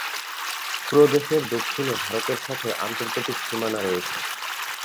প্রদেশের দক্ষিণে ভারতের সাথে আন্তর্জাতিক সীমানা রয়েছে।